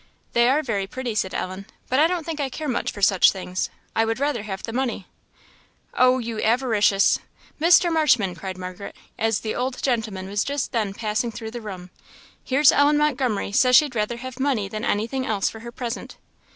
"They are very pretty," said Ellen, "but I don't think I care much for such things I would rather have the money." "Oh, you avaricious! Mr. Marshman!" cried Margaret, as the old gentleman was just then passing through the room "here's Ellen Montgomery says she'd rather have money than anything else for her present."